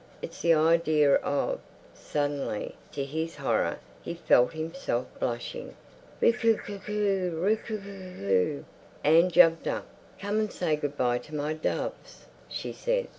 It's the idea of—" Suddenly, to his horror, he felt himself blushing. "Roo coo coo coo! Roo coo coo coo!" Anne jumped up. "Come and say good bye to my doves," she said.